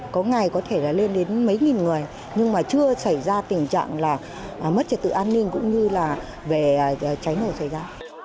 có ngày có thể là lên đến mấy nghìn người nhưng mà chưa xảy ra tình trạng là mất trật tự an ninh cũng như là về cháy nổ xảy ra